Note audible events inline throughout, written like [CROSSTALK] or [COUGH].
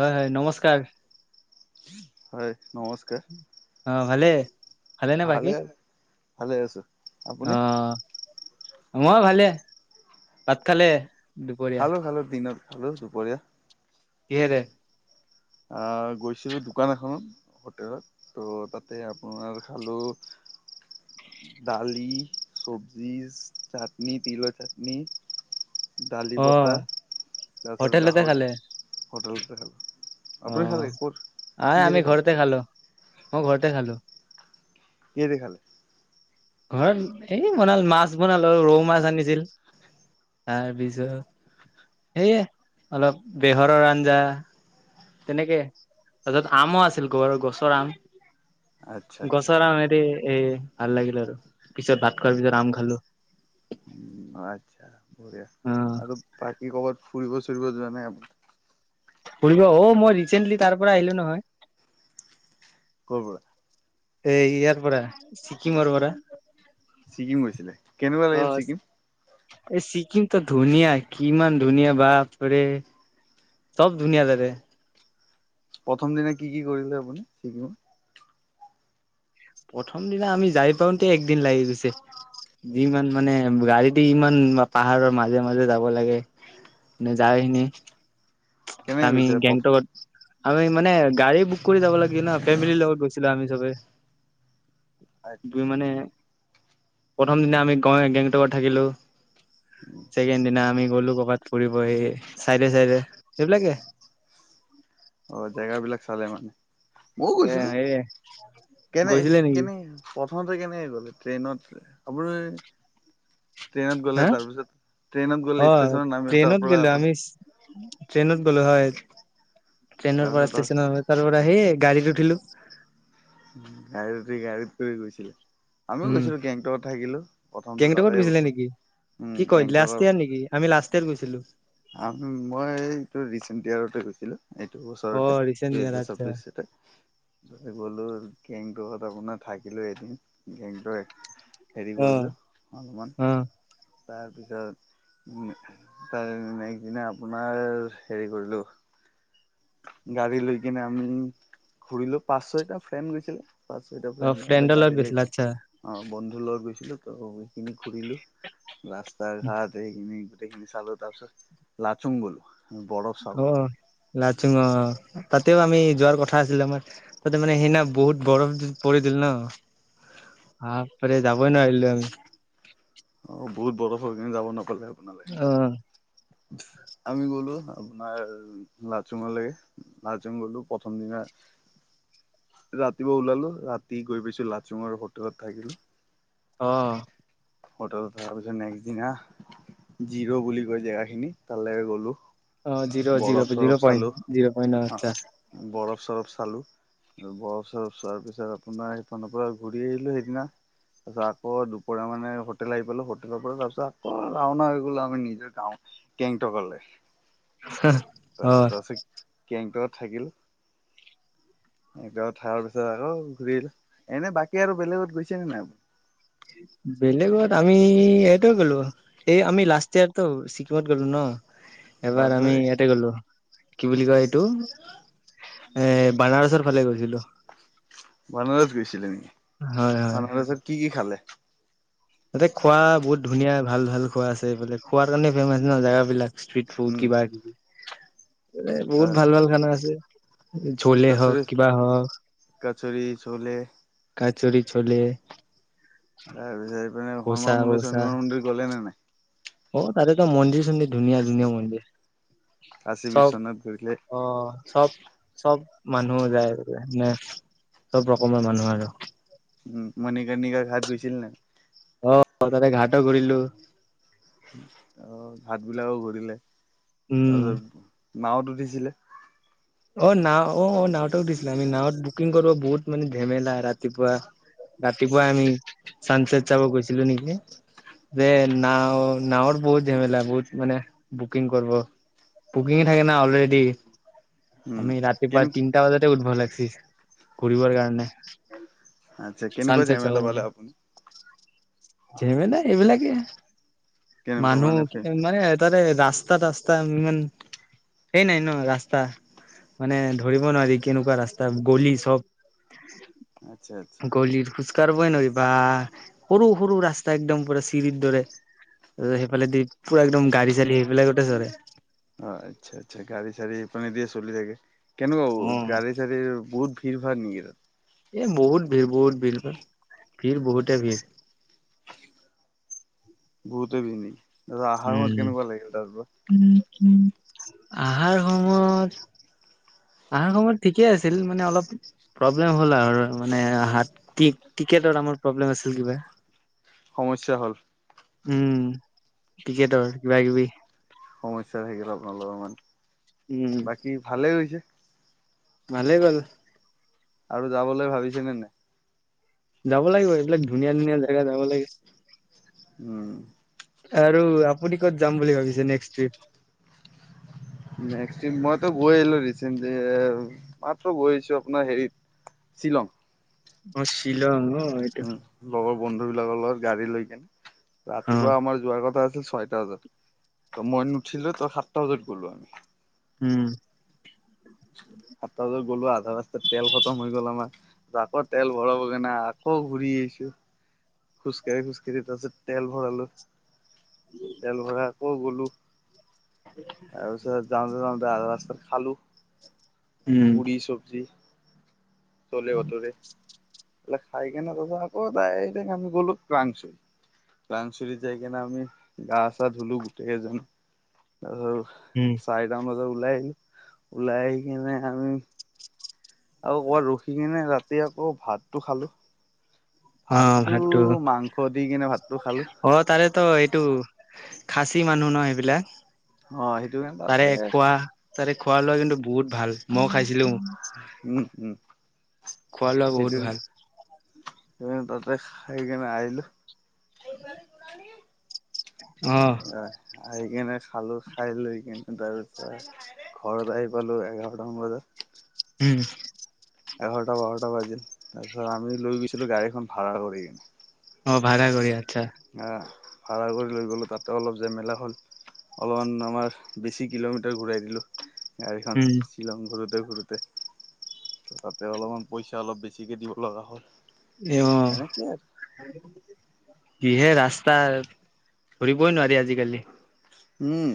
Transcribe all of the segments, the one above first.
হয় হয়, নমস্ কাৰ। হয়। নমস্কাৰ। ভালেই। ভালে, ভালেই আছো, অ আপুনি? মই ভালে, ভাত খালে? দুপৰীয়া খালো খালো দিনত খালোঁ দুপৰীয়া। কিহেৰে? অ', গৈছিলো দোকান এখনত, হোটেলত, ত' তাতে আপোনাৰ খালো, দালি, চব্জি, চাটনি, তিলৰ চাটনি দালি অ বটা, তাৰপিছত হোটেলতে গাহৰি, খালে হোটেলতে খালোঁ। অ', আ-আমি ঘৰতে খালো। মই ঘৰতে খালো। কিহেৰে খালে? ঘৰত, এই বনাল, মাছ বনালো, ৰৌ মাছ আনিছিল, তাৰপিছত, এইয়ে অলপ বেহৰৰ আঞ্জা। তেনেকে, তাৰপিছত আমো আছিল, ঘৰৰ গছৰ আম। আচ্ছা আচ্ছা গছৰ আম, হেৰি এই ভাল লাগিল আৰু। পিছত ভাত খোৱাৰ পিছত আম খালো। বঢিয়া, অ আৰু বাকী কৰ'বাত ফুৰিব চুৰি ৰিব যোৱা নাই আপুনি? ফুৰিব, অ', মই ৰিচেন্টলি তাৰ পৰা আহিলো নহয়। ক'ৰ পৰা? এই ইয়াৰ পৰা, ছিকিমৰ পৰা। ছিকিম গৈছিলে? কেনেকুৱা অ লাগিলে ছিকিম? এই চিকিমটো ধুনীয়াই, কিমান ধুনীয়া, বাপৰে, চব ধুনীয়া তাতে। প্ৰথম দিনে কি কি কৰিলে আপুনি শিকিব প্ৰথম দিনা আমি যাই পাওতে একদিন লাগি গৈছে যিমান মানে গাড়ীতে ইমান পাহাৰৰ মাজে মাজে যাব লাগে নে যায়খিনি কেনেকে আমি গৈছে প্ৰথ গেংটকত আমি মানে গাড়ী বুক কৰি যাব লাগিল ন ফেমিলিৰ লগত গৈছিলো আমি চবে আচ্ছা আচ্ছা মানে প্ৰথম দিনা আমি গৈ গেংটকত থাকিলো ছেকেণ্ড দিনা আমি গ'লো কবাত ফুৰিবহি চাই দে চাইদে সেইবিলাকে অ জেগ বিলাক চালে মানে ময়ও গৈছিলো এ কেনে গৈছিলে নেকি কেনেকে প্ৰথমতে কেনেকে গ'ল ট্ৰেইনত ট্ৰেইনত গ'লে হা তাৰপিছত ট্ৰেইনত গ'লে অ ষ্টেচনত নামিলে তাৰ ট্ৰেইনত পৰা গলেো আমি ট্ৰেইনত গলো হয় ট্ৰেইনৰ পৰা তাৰপিছত ষ্টেচন তাৰ পৰা আহিয়েই গা়ড়ীটো উঠিলো গাড়ীত উঠি গাড়ীত শুই গৈছিলো আমিও উম গৈছিলো গেংটকত থাকিলো প্ৰথমতে গেংটকত তাতে গৈছিলে ওচৰত নেকি উম কি কয় গেংটক লাষ্ট ইয়াৰ নেকি আমি লাষ্ট ইয়াৰ গৈছিলো মই এইটো ৰিচেণ্ট ইয়াৰতে গৈছিলো এইটো অ বছৰতে ৰিচেণ্ট ইয়াৰ দুহেজাৰ আচ্ছা চৌব্বিশতে গলো গেংটকত আপোনাৰ থাকিলো এদিন গেংটোৰ হেৰি অ কৰিলোঁ অলপমান অ তাৰপিছত নেষ্ট দিনা আপোনাৰ হেৰি কৰিলো গাড়ী লৈ কিনে আমি ঘূৰিলো পাঁচ ছয়টা গৈছিলে পচো অ ফ্ৰেণ্ডৰ লগত গাড়ী গৈছিলা লকি আচ্ছা অ বন্ধু ল গৈছিলো ত সেইখিনি ঘূৰিলো ৰাস্তা ঘাট এইখিনি খিনি চালো তাৰ পিছত লাচুং গলো বৰফ অ চাবলৈ লাচিং তাতেও আমি যোৱাৰ কথা আছিলো আমাৰ তাতে মানে সেইদিনা বহুত বৰফ পৰিল ন আ পৰে যাবই নোৱাৰিলো আমি অ বহুত বৰফ হৈ কেনে যাব নোপোৱা কলে অ আপোনালৈ আমি গলো আপোনাৰ লাচুঙলৈকে লাচুং গলো প্ৰথম দিনা ৰাতিপুৱা ওলালো ৰাতি গৈ পাইছো লাচুঙৰ হোটেলত থাকিলো অ হোটেল তাৰ পিছত নেক্স দিনা জিৰ' বুলি কয় জেগা খিনি তালৈ গলো অ জিৰ জ বৰফ জিৰ চৰফ চালো পইট জিৰ পইণ্ট আহ আছা বৰফ চৰফ চালো বৰফ চৰফ চোৱাৰ পিছত আপোনাৰ সেইপিনৰ পৰা ঘূৰি আহিলো সেইদিনা তাৰ পিছত আকৌ দুপৰীয়া মানে হোটেল আহি পেলো হোটেলৰ পৰা তাৰ পিছত আকৌ ৰাওনা হৈ গলো আমি নিজৰ গাঁও গেংটকলৈ সেহ, অহ গেংটক থাকিল। গেংটক থকাৰ পিছত আকৌ ঘূৰিল এনে বাকী আৰু বেলেগত গৈছেনে নাই। বেলেগত আমি এইটো গ'লো। এই আমি লাষ্ট ইয়াৰতো ছিকিম ত গলো ন। এবাৰ তাৰপিছত আমি ইয়াতে গলো। কি বুলি কয়,, এইটো এ বানাৰচ ৰ ফালে গৈছিলো। বানাৰস গৈছিলে নেকি হয় হয় বানাৰসত কি কি খালে। তাতে খোৱা বহুত ধুনীয়া ভাল ভাল খোৱা আছে। এইফালে খোৱাৰ কাৰণে ফেমাচ ন জেগাবলাক। ষ্ট্ৰ্ৰীট ফ্ৰুড উম কিবা কিবি। এ বহুত তাৰ ভাল ভাল খানা আছে। ঝলে হওঁক কচৰি কিবা হওঁক। কচৰি চলে কছুৰি চ্চোলে। তাৰ পিছত এইপিনে হনুমান মন্দিৰ কচা হনুমান মন্দিৰ গলে নে নাই। অ, তাতে ত মন্দিৰ চ ধুনীয়া ধুনীয়া মন্দিৰ। কাশী চব, বিশ্বনাথ গৈছিলে অহ, চব চব, মানুহ যায় মানে। চব ৰকমৰ মানুহ আৰু উম মণিকণিকা ঘাত গৈছিল নাই। অ, তাতে ঘাট অ ঘূৰিলো। অহ। ভাত বিলাকও ঘৰিলে। উম, আৰু নাওতো উঠিছিলে। অহ, নাওঁ অহ, অহ নাওঁত অ উঠিছিলো। আমি নাৱত বুকিং কৰিব বহুত মানে ঝেমেলা। ৰাতিপুৱা, ৰাতিপুৱা আমি চানচট চাব গৈছিলো নেকি। যে নাওঁৱত বহুত ঝেমেলা বহুত মানে বুকিং কৰিব বুকিং থাকে না অলৰেডি। উম আমি ৰাতিপুৱা কেনে তিনিটা বজাতেই উঠিব লাগে। কৰিবৰ কাৰণে। আচ্ছা, কেনেকুৱা চানচেট চাবৰ ঝামেলা পালে কাৰণে আপুনি। ঝেমেলা এইবিলাকেই। কেনেকুৱা মানুহ মানে ফে থাকে মানে। তাৰে ৰাস্তা তাছটা তাত ইমান সেই নাই ন ৰাস্তা মানে ধৰিব নোৱাৰি কেনেকুৱা ৰাস্তা গলি চব। আচ্ছা আচ্ছা গলীত খোজকাঢ়ি কবই নোৱাৰিব বাহ। সৰু, সৰু ৰাস্তা এক্দম পুৰা চিৰিৰ দৰে। সেইফালে দি পুৰা একদম গাড়ী -চাৰি সেইবিলাকতে ধৰে। অহ আচ্ছা, আচ্ছা গাড়ী চাৰি সেইফালেদি এ চলি থাকে। কেনেকুৱা হব। গাড়ী -চাড়ী বহুত ভিৰ, ভাৰ নেকি তাত। এই বহুত ভিৰ। বহুত ভিৰ ভিৰ বহুতে ভিৰ। বহুতেই ভিৰ নেকি। তাৰপিছত আহাৰ সময়ত কেনেকুৱা লাগিল উম, তাৰ পৰা উমম। আহাৰ সময়ত। আহাৰ সময়ত ঠিকেই আছিল মানে অলপ প্ৰব্লেম হ'ল আৰু মানে টিকেটত আমাৰ প্ৰব্লেম আছিল কিবা। সমস্যা হ'ল। উম, টিকেটৰ কিবা কিবি। সমস্যা থাকিল আপোনালোকৰ মান। উম বাকী ভালেই হৈছে। ভালে গ'ল। আৰু যাবলৈ ভাবিছে নে - নে। যাব লাগিব এইবিলাক ধুনীয়া - ধুনীয়া জেগা যাব লাগে। উম, আৰু আপুনি ক'ত যাম বুলি ভাবিছে নেক্স ট্ৰিপ। নেক্সট ট্ৰিপ মইতো গৈ আহিলো ৰিচেণ্টলি মাত্ৰ গৈ আহিছো আপোনাৰ হেৰিত শ্বিলং। অহ ' শ্বিলং। এইটো উম, লগৰ বন্ধু বিলাকৰ লগত গাড়ী লৈ কেনে। অ ৰাতিপুৱা আমাৰ যোৱাৰ কথা আছে। ছয়টা বাজাৰ ত মই নুঠিলো তই সাতটা বজাত গ'লো আমি। উম। সাতটা বজাত গ'লো আধা ৰাস্তাত তেল খতম হৈ গ'ল আমাৰ আকৌ তেল ভৰাবগে না আকৌ ঘূৰি আহিছো। খোজকাঢ়ি - খোজকাঢ়ি তাৰাছত। তেল ভৰালো। তেল ভৰাই আকৌ গলো। আৰু পিছ যাওতে - যাওতে আধা ৰাস্তাৰ খালো। উম পুৰি চবজ্জি। চলে বতুৰে। খাই কেনে তাৰ আকৌ তাই আমি গলো কাংচুৰী কংচৰিত যাই কেনে আমি গা চা ধুলো গোটেইকেইজন। অহ উম ' চাৰিটামান বজাত ওলাই আহি - ওলাই আহি কিনে আৰু আৰু ক'বাত ৰখি কিনে তাত এতিয়া আকৌ ভাতটো খালো। অহ ' ভাতটো মাংস দি কিনে ভাতটো খালো অহ ' তাৰে তো এইটো খাচী মানুহ ন সেইবিলাক। অহ 'সেইটো তাৰে খোৱা কাৰনে তাৰে তাতে খোৱা লোৱা কিন্তু বহুত ভাল মই খাইছিলো। উম - উম। খোৱা লোৱা বহুত ভাল। স তাতে আহ কিনে আহিলো। আহ পতে গ নান অ আ স কেনে খালোঁ খাই লৈ কিনে তাৰপিছত ঘৰত আহি পালোঁ এঘাৰটামান বজাত। উম। এঘাৰটা বাৰটা বাজিল তাৰপাছত আমি লৈ গৈছিলো গাড়ীখন ভাড়া কৰি কিনে। অঁ ভড়া কৰি য়াত। অ। ভাড়া কৰি লৈ গ'লোঁ তাতে অলপ জেমেলা হ'ল অলপমান আমাৰ বেছি কিলোমিটাৰ ঘূৰাই দিলোঁহেঁতেন। গাড়ীখন উম শ্বিলং ঘৰুত ঘূৰোতে ঘূৰোতে তাতে অলপমান পইচা অলপ বেছিকে দিব লগা হল। এই আহ। সেনেকে আৰু কিহে ৰাস্তা ধৰিবই নোৱাৰি আজিকালি। উম।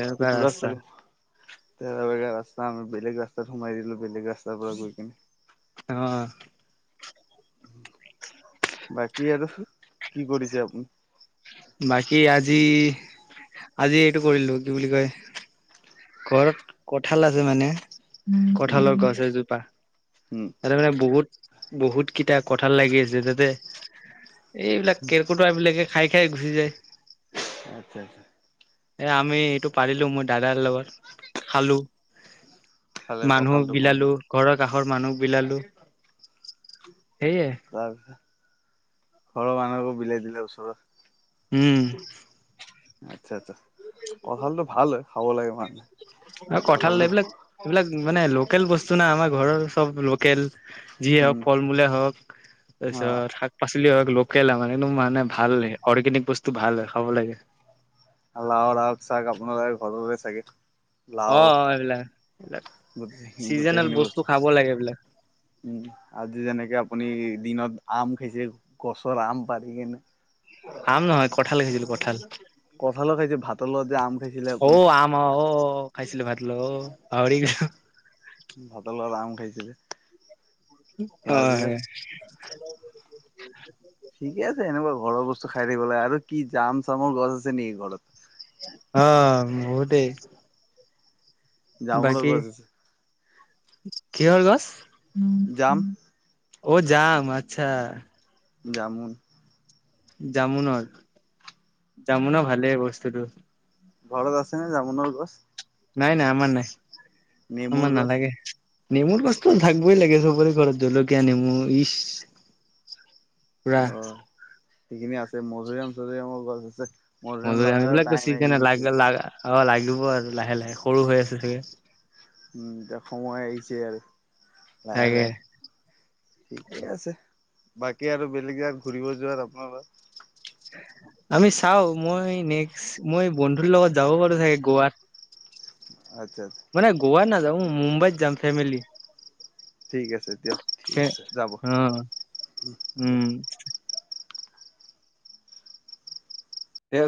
এনেকুৱা ৰাস্তা। তে বেগ ৰাস্তা আমি বেলেগ ৰাস্তাত সোমাই দিলো বেলেগ ৰাস্তাৰ পৰা গৈ কিনে। অ। বাকী আৰু কি কৰিছে আপুনি? বাকী আজি আজি এইটো কৰিলো কি বুলি কয় ঘৰত কঠাল আছে মানে। উম কঠালৰ গছ এজোপা উম ততে মানে বহুত বহুত কেইটা কঠাল লাগি আছে তাতে। এইবিলাক কেৰকুটোৱা বিলাকে খাই খাই গুচি যায়। আচ্ছা আচ্ছা। এ আমি এইটো পাৰিলো মোৰ দাদাৰ লগত খালো। খালে মানুহ কঁঠালটো বিলালো ভাঙি ঘৰৰ কাষৰ মানুহ বিলালো। সেয়ে ত [UNINTELLIGIBLE] ঘৰ মানহক বিলাই দিলে ওচৰত। উম। আচ্ছা আছা। কঁঠালতটো ভাল হয়। খাব লাগে মানহে। অ কঁঠাল এইবিলাক এইবিলাক মানে লোকেল বস্তু না আমাৰ ঘৰৰ চব লোকেল। যিয়ে হওক উম ফল মূলে হওক অ তাৰপিছত শাক পাচলিয় হওক লগ কেলা মানে ভাল অৰ্গেনিক বস্তু। টো ভাল হয় খাব লাগে। লাওৰ আগ চাক আপোনালোকৰ ঘৰৰে চাগে। অ লাও, অ এইবিলাক এইবিলাক গো চিজনেল গোটেইখিনি বস্তু, খাব লাগে এইবিলাক উম আজি যেনেকে আপুনি দিনত আম খাইছে গছৰ আম পাৰি কেনে। আম নহয় কঁঠাল খিছিলো কঁঠাল। কঁঠালৰ খাইছে ভাতৰ লগ যে আম খাইছিলে আপ অ আম অ অ খাইছিলো ভাতৰ লগত উ পাহৰি গৈ গৈছিলো। হয়। [INAUDIBLE] ঠিকে আছে এনেুৱা ঘৰৰ বস্তু খাই থাকিব লাগ আৰু কি জাম চামৰ গছ আছে নেকি ঘৰত? অ বহুতেই। জামৰ বাকী গছছে কিহৰ গছ? জাম। অ যাম আচ্ছা। যাম যামু ন যামু ন ভালে বস্তুটো। ঘৰত আছে ন জামুনৰৰ গছ? নাই নাই আমাৰ নাই। নেমুৰ আমাৰ গছ নালাগে। নেমুৰ গছটো থাকবই লাগে চবৰে ঘৰত জলকীয়া নেমু ইচ। পুৰা অঁ। সিখিনি আছে মধুৰিআম চধুৰিআমৰ গছ আছে। মধুৰিআম মধুৰি আম লগাৰ এইবিলাকো টাইম আহি চিজনে গৈছে লাগ অ এতিয়া লাগিব। হব আৰু লাহে লাহে সৰু হৈ আছে চাগে। উম এ সময় আহিছে আৰু। লাহে তাকে লাহে ঠিকে আছে বাকী আৰু বেলেগ জ ফুৰিব যোৱাত আপোনা আমি চাও মই নেক্স মই বন্ধুৰ লগত যাব পাৰো চাগে গোৱাত। আচ্ছা আচ্ছা মানে গোৱা নাযাওঁ। মুম্বাইত যাম ফেমিলী। ঠিক আছে। দিয়ক ঠিক সে আছে যাব অ' দিয়ক। উম্। তে